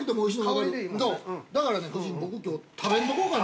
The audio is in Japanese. だからね、夫人、僕、きょう食べんとこうかな。